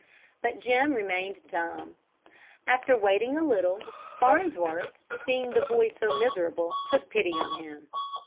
But Jim remained dumb. After waiting a little, Farnsworth, seeing the boy so miserable, took pity on him.